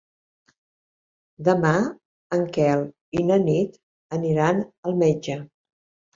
Demà en Quel i na Nit aniran al metge.